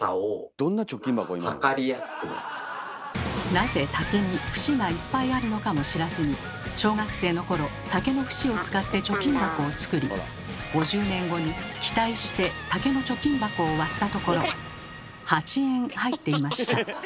なぜ竹に節がいっぱいあるのかも知らずに小学生の頃竹の節を使って貯金箱を作り５０年後に期待して竹の貯金箱を割ったところ８円入っていました。